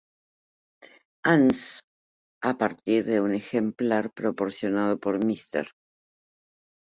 Anne´s a partir de un ejemplar "proporcionado por Mr.